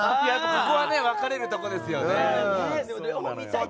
ここは分かれるところですよね。